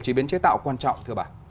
chí biến chế tạo quan trọng thưa bà